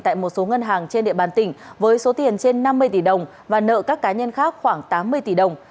tại một số ngân hàng trên địa bàn tỉnh với số tiền trên năm mươi tỷ đồng và nợ các cá nhân khác khoảng tám mươi tỷ đồng